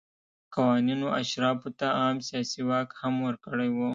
قوانینو اشرافو ته عام سیاسي واک هم ورکړی و.